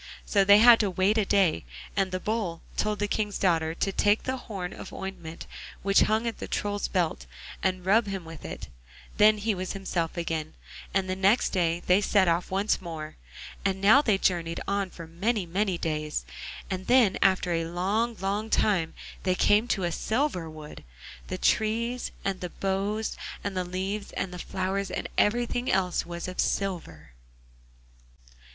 So they had to wait a day, and the Bull told the King's daughter to take the horn of ointment which hung at the Troll's belt, and rub him with it; then he was himself again, and the next day they set off once more. And now they journeyed on for many, many days, and then after a long, long time they came to a silver wood. The trees, and the boughs, and the leaves, and the flowers, and everything else was of silver.